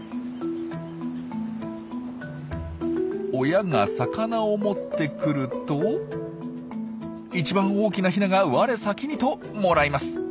親が魚を持ってくると一番大きなヒナが我先にともらいます。